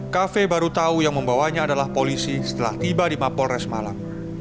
kafe baru tahu yang membawanya adalah polisi setelah tiba di mapol res malam